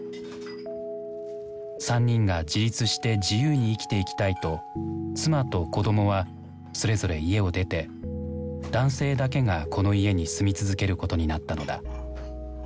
３人が自立して自由に生きていきたいと妻と子どもはそれぞれ家を出て男性だけがこの家に住み続けることになったのだ。